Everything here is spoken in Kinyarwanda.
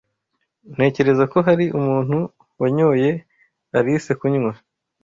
Ntekereza ko hari umuntu wanyoye Alice kunywa.